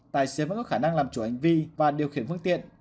tài xế vẫn có khả năng làm chủ hành vi và điều khiển phương tiện